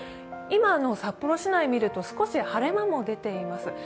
今の札幌市内を見ると、少し晴れ間も出ています。